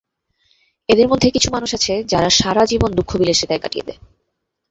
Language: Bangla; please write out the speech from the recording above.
এদের মধ্যে কিছু মানুষ আছে, যারা সারা জীবন দুঃখ-বিলাসিতায় কাটিয়ে দেয়।